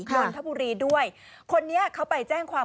นนทบุรีด้วยคนนี้เขาไปแจ้งความ